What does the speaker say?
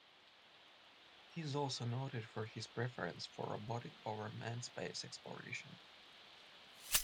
He is also noted for his preference for robotic over manned space exploration.